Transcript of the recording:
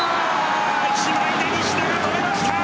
１枚で西田が止めました。